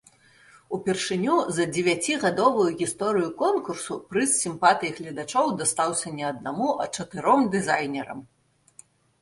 Упершыню за дзевяцігадовую гісторыю конкурсу прыз сімпатый гледачоў дастаўся не аднаму, а чатыром дызайнерам.